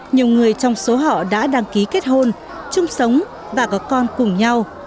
nhiều người trong số họ đã đăng ký kết hôn chung sống và có con cùng nhau